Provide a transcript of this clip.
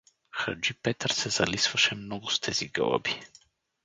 Хаджи Петър се залисваше много с тези гълъби.